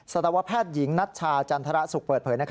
สตวแพทย์หญิงนัชชาจันทรสุขเปิดเผย